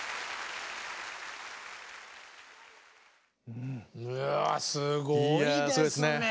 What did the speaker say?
うわすごいですね！